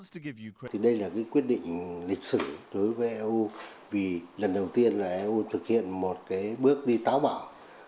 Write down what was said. thì đây là cái quyết định lịch sử đối với eu vì lần đầu tiên là eu thực hiện một cái bước đi táo bảo